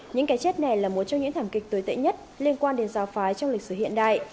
những cái chết này là một trong những thảm kịch tồi tệ nhất liên quan đến giáo phái trong lịch sử hiện đại